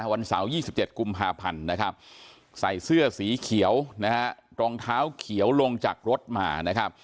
วันเสาร์๒๗กุมภาพันธ์ใส่เสื้อสีเขียวตรองเท้าเขียวลงจากรถมา